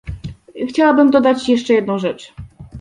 Chciałabym dodać jeszcze jedną rzecz